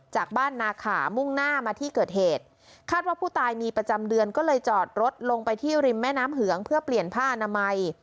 จากบ้านนาขามุ่งหน้ามาที่เกิดเหตุคาดว่าผู้ตายมีประจำเดือนก็เลยจอดรถลงไปที่ริมแม่น้ำเหืองเพื่อเปลี่ยนผ้าอนามัย